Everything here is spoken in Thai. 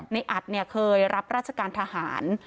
ในอัดเนี่ยเคยรับราชการทหาร